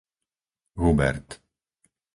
Hubert